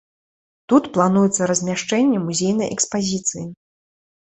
Тут плануецца размяшчэнне музейнай экспазіцыі.